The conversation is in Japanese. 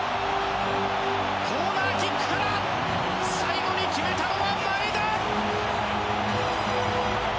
コーナーキックから最後に決めたのは前田！